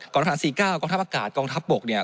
ก่อนรับประหารสี่เก้ากองทัพอากาศกองทัพบกเนี่ย